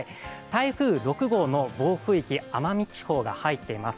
台風６号の暴風域、奄美地方が入っています。